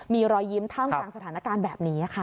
มีรอยยิ้มท่ามกลางสถานการณ์แบบนี้ค่ะ